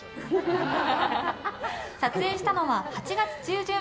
撮影したのは８月中旬。